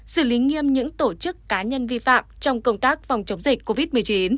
xử lý nghiêm những tổ chức cá nhân vi phạm trong công tác phòng chống dịch covid một mươi chín